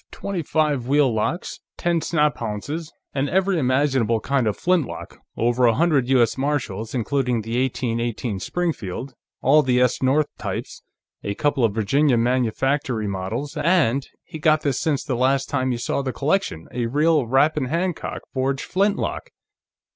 Twenty five wheel locks! Ten snaphaunces. And every imaginable kind of flintlock over a hundred U.S. Martials, including the 1818 Springfield, all the S. North types, a couple of Virginia Manufactory models, and he got this since the last time you saw the collection a real Rappahannock Forge flintlock.